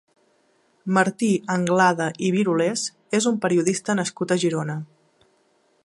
Martí Anglada i Birulés és un periodista nascut a Girona.